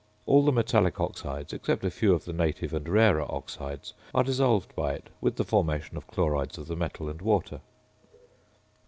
All the metallic oxides, except a few of the native and rarer oxides, are dissolved by it with the formation of chlorides of the metal and water.